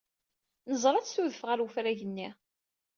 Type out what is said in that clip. Neẓra-tt tudef ɣer wefrag-nni.